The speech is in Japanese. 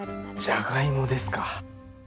じゃがいもですか。